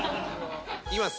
いきます。